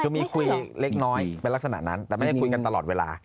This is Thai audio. คือมีคุยเล็กน้อยเป็นลักษณะนั้นแต่ไม่ได้คุยกันตลอดเวลา